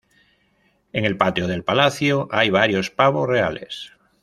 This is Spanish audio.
En el patio del palacio hay varios pavos reales.